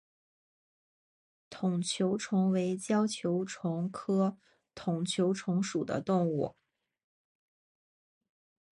筒球虫为胶球虫科筒球虫属的动物。